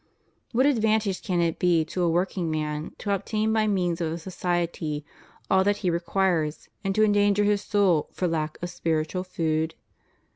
What advantage can it be to a workingman to obtain by means of a society all that he requires, and to endanger his soul for lack of spiritual food?